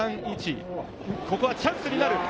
ここはチャンスになる。